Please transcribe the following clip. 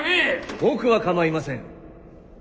僕は構いません。